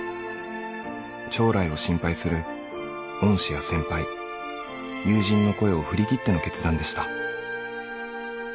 将来を心配する恩師や先輩友人の声を振り切っての決断でした。